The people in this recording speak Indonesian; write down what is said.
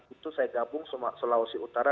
itu saya gabung sama selawesi utara